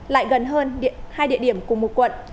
lại gần hơn hai địa điểm cùng một quận